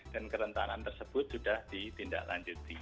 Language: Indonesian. dan kerentanan tersebut sudah ditindaklanjuti